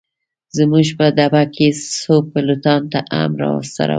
زموږ په ډبه کي څو پیلوټان هم راسره ول.